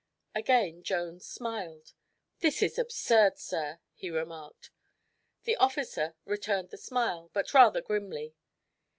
Again Jones smiled. "This is absurd, sir," he remarked. The officer returned the smile, but rather grimly.